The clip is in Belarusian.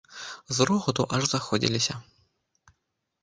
З рогату аж заходзіліся.